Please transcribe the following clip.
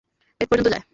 পেট পর্যন্ত যায়।